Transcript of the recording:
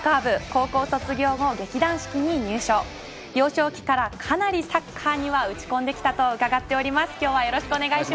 高校卒業後、劇団四季に入所幼少期ではかなりサッカーには打ち込んできたと伺っています。